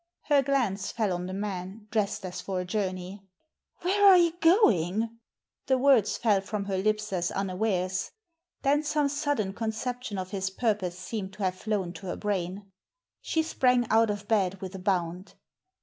Her glance fell on the man, dressed as for a journey. " Where are you going ?" The words fell from her lips as unawares. Then some sudden conception of his purpose seemed to have flown to her brain. She sprang out of bed with a bound.